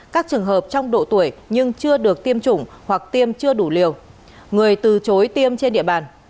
các trường hợp trong độ tuổi nhưng chưa được tiêm chủng hoặc tiêm chưa đủ liều người từ chối tiêm trên địa bàn